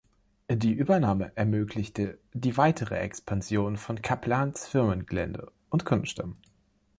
Die Übernahme ermöglichte die weitere Expansion von Caplans Firmengelände und Kundenstamm.